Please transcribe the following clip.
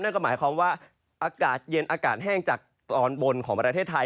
นั่นก็หมายความว่าอากาศเย็นอากาศแห้งจากตอนบนของประเทศไทย